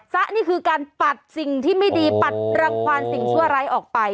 นี่คือการปัดสิ่งที่ไม่ดีปัดรังความสิ่งชั่วร้ายออกไป